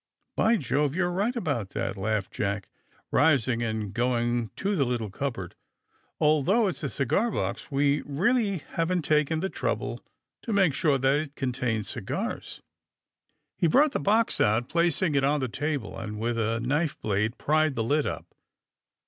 By Jove, you're right about that," laughed Jack, rising and going to the little cupboard. 100 THE SUBMARINE BOYS *' Although, it's a cigar box, we really haven ''t taken the trouble to make sure that it contains cigars." He brought the box out, placing it on the table, and, with a knifeblade, pried the lid up.